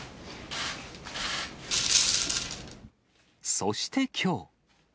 そしてきょう。